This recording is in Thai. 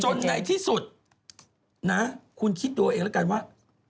ในที่สุดนะคุณคิดดูเอาเองแล้วกันว่า